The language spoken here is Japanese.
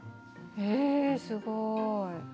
えすごい。